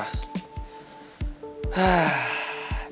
bikin beban di pikiran gue aja